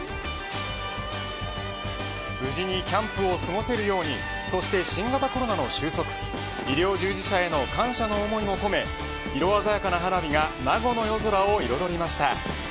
無事にキャンプを過ごせるようにそして新型コロナの収束医療従事者への感謝の思いも込め色鮮やかな花火が名護の夜空を彩りました。